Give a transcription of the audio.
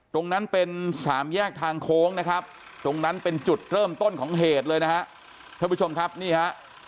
ตรงนั้นเป็นสามแยกทางโค้งนะครับตรงนั้นเป็นจุดเริ่มต้นของเหตุเลยนะฮะ